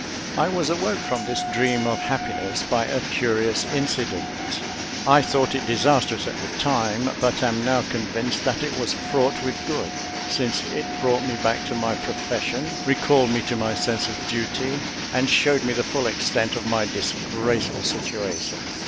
I was awoke from this dream of happiness by a curious incident. I thought it disastrous at the time, but am now convinced that it was fraught with good, since it brought me back to my profession, recalled me to a sense of duty, and showed me the full extent of my disgraceful situation.